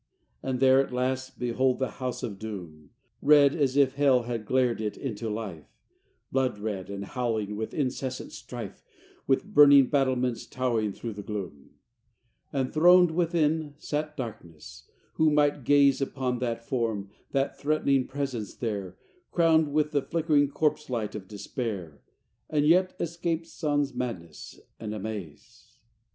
XVI And there at last, behold, the House of Doom, Red, as if Hell had glared it into life, Blood red, and howling with incessant strife, With burning battlements, towered through the gloom. XVII And throned within sat Darkness. Who might gaze Upon that form, that threatening presence there, Crowned with the flickering corpse lights of Despair, And yet escape sans madness and amaze?